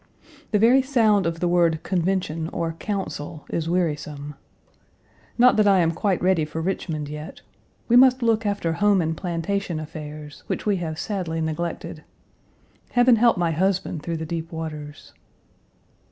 The very sound of the word convention or council is wearisome. Not that I am quite ready for Richmond yet. We must look after home and plantation affairs, which we have sadly neglected. Heaven help my husband through the deep waters.